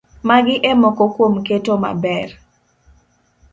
Magi e moko kuom keto maber